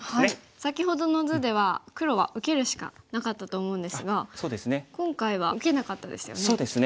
先ほどの図では黒は受けるしかなかったと思うんですが今回は受けなかったですよね。